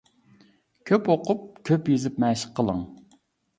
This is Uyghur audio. كۆپ ئوقۇپ، كۆپ يېزىپ مەشىق قىلىڭ!